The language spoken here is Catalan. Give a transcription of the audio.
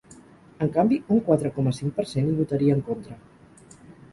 En canvi, un quatre coma cinc per cent hi votaria en contra.